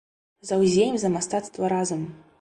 Заўзеем за мастацтва разам!